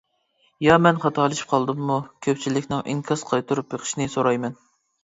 يا مەن خاتالىشىپ قالدىممۇ؟ كۆپچىلىكنىڭ ئىنكاس قايتۇرۇپ بېقىشىنى سورايمەن.